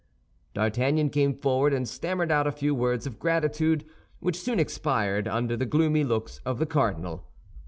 D'Artagnan came forward and stammered out a few words of gratitude which soon expired under the gloomy looks of the cardinal.